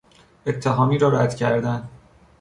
اتهامی را رد کردن